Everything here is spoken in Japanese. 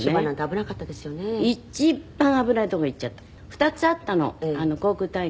２つあったの航空隊が。